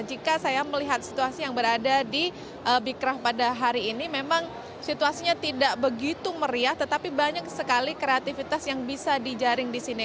jika saya melihat situasi yang berada di bikraf pada hari ini memang situasinya tidak begitu meriah tetapi banyak sekali kreativitas yang bisa dijaring di sini